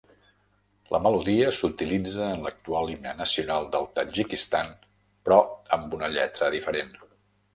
La melodia s'utilitza en l'actual himne nacional del Tadjikistan, però amb una lletra diferent.